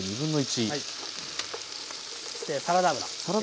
サラダ油。